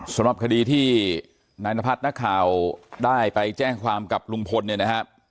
สำหรับคดีที่นายนพัฒน์นักข่าวได้ไปแจ้งความกับลุงพลเนี่ยนะครับ